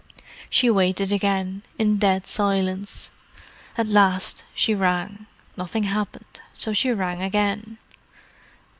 She waited again, in dead silence. At last she rang. Nothing happened, so she rang again.